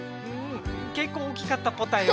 けっこう大きかったポタよ。